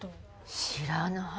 知らない。